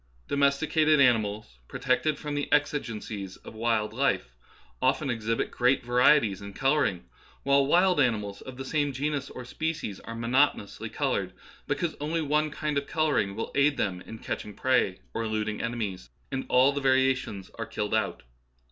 Domesticated animals, pro tected from the exigencies of wild life, often exhibit great varieties in colouring, while wild animals of the same genus or species are monoto nously coloured, because only one kind of colour ing will aid them in catching prey or eluding ene mies, and all the variations are killed out.